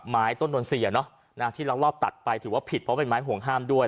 ต้นนนทรีย์ที่ลักลอบตัดไปถือว่าผิดเพราะเป็นไม้ห่วงห้ามด้วย